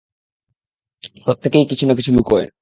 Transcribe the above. প্রত্যেকেই কিছু না কিছু লুকোয়।